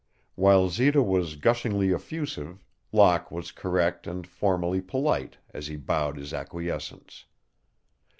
While Zita was gushingly effusive, Locke was correct and formally polite as he bowed his acquiescence.